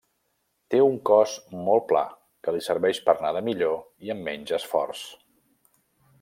Té un cos molt pla, que li serveix per nedar millor i amb menys esforç.